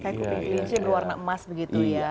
kayak kuping kelinci warna emas begitu ya